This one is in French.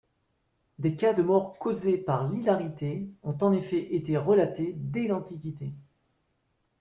Des cas de mort causée par l'hilarité ont en effet été relatés dès l'antiquité.